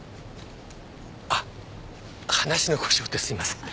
あっ話の腰を折ってすいません。